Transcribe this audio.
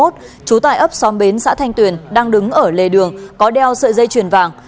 trú tại ấp xóm bến xã thanh tuyền đang đứng ở lề đường có đeo sợi dây chuyền vàng